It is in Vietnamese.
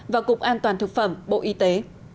và cục an toàn thực phẩm bộ y tế